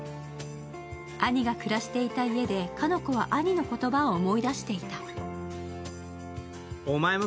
兄が暮らしていた家で鹿ノ子は兄の言葉を思い出していた。